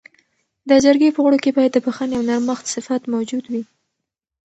د جرګې په غړو کي باید د بخښنې او نرمښت صفت موجود وي.